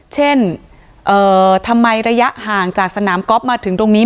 เช่นทำไมระยะห่างจากสนามก๊อฟมาถึงตรงนี้